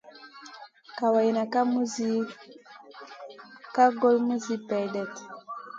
Kawayna ka goy muzi peldet.